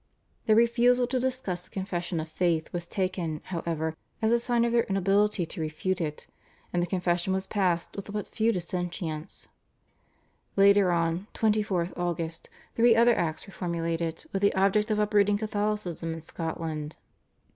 Their refusal to discuss the confession of faith was taken, however, as a sign of their inability to refute it, and the confession was passed with but few dissentients. Later on (24th August) three other acts were formulated with the object of uprooting Catholicism in Scotland.